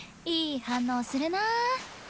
いい反応するなぁ。